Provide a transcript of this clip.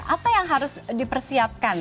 apa yang harus dipersiapkan